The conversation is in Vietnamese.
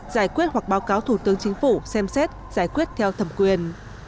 giải quyết hoặc báo cáo thủ tướng chính phủ xem xét giải quyết theo thẩm quyền